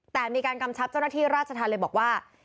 แต่มีการกำชับเจ้าหน้าที่ราชธรรมเลยบอกว่า